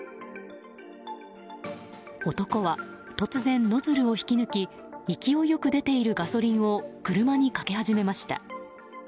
男は、突然ノズルを引き抜き勢い良く出ているガソリンを車にかけ始めました。